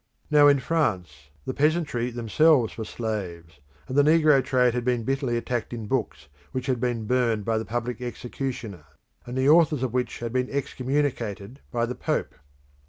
Now in France the peasantry themselves were slaves; and the negro trade had been bitterly attacked in books which had been burnt by the public executioner, and the authors of which had been excommunicated by the Pope.